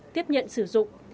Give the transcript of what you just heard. tiếp nhận sử dụng